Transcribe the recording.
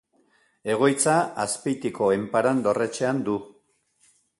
Egoitza Azpeitiko Enparan dorretxean du.